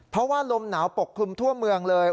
เพราะว่าลมหนาวปกคลุมทั่วเมืองเลย